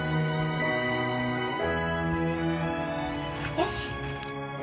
よし！